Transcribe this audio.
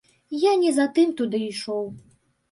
Я не за тым туды ішоў.